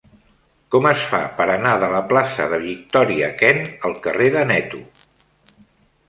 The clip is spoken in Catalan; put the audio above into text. Com es fa per anar de la plaça de Victòria Kent al carrer d'Aneto?